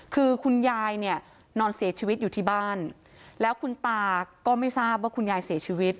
คือคุณยายเนี่ยนอนเสียชีวิตอยู่ที่บ้านแล้วคุณตาก็ไม่ทราบว่าคุณยายเสียชีวิต